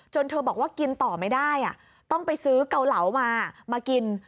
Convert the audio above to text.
เธอบอกว่ากินต่อไม่ได้ต้องไปซื้อเกาเหลามามากิน